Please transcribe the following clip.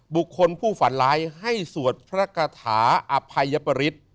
บุคคลผู้ฝันร้ายให้สวดพระกาถาอภัยปริศ